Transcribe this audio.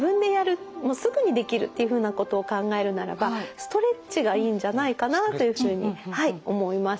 もうすぐにできるっていうふうなことを考えるならばストレッチがいいんじゃないかなというふうに思います。